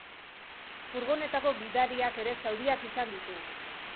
Furgonetako gidariak ere zauriak izan ditu.